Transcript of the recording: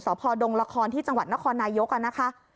สพดงละครที่จังหวัดนครนายกนะคะ